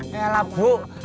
ya lah bu